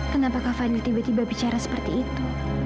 kenapa kak fani tiba tiba bicara seperti itu